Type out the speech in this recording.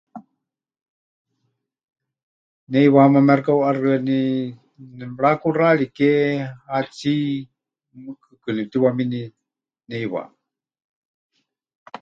Neʼiwaáma mexɨkaʼuʼaxɨáni nemɨrakuxaariké hatsí, mɨɨkɨkɨ nemɨtiwamini neʼiwaáma.